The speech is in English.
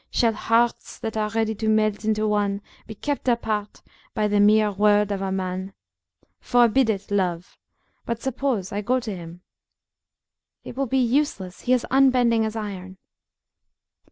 Shall hearts that are ready to melt into one, be kept apart by the mere word of a man? Forbid it, love! But suppose I go to him?" "It will be useless! He is as unbending as iron."